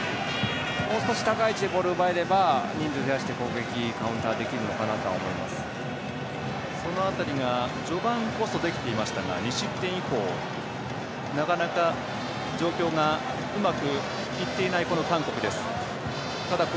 もう少し高い位置でボールを奪えれば人数増やして攻撃カウンターできるのかなとその辺りが序盤こそできていましたが、２失点以降なかなか状況がうまくいっていない韓国です。